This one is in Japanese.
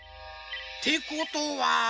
てことは。